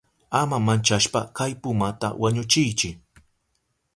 Ama manchashpa kay pumata wañuchiychi.